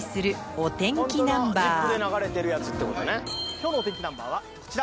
今日のお天気ナンバーはこちら。